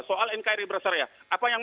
soal nkr yang bersyariah apa yang